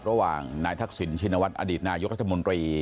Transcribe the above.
ระหว่างนายทักษิณชินวัฒนอดีตนายกรัฐมนตรี